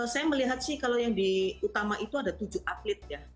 saya melihat sih kalau yang di utama itu ada tujuh atlet ya